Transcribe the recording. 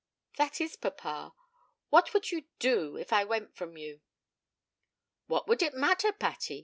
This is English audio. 'That is it, papa. What would you do if I went from you?' 'What would it matter, Patty?